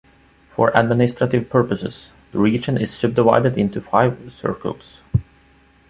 For administrative purposes, the region is subdivided into five cercles.